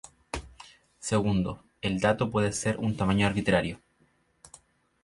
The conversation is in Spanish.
Segundo, el dato puede ser de un tamaño arbitrario.